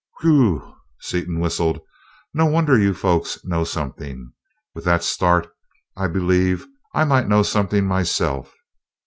"Whew!" Seaton whistled, "no wonder you folks know something! With that start, I believe I might know something myself!